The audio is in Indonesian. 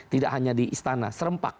tidak hanya di istana serempak